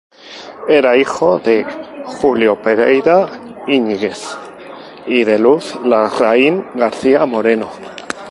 Era hijo de Julio Pereira Íñiguez y de Luz Larraín García Moreno.